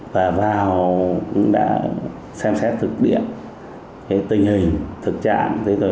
và vào cũng đã xem xét thực địa tình hình thực trạng